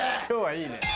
今日はいいね。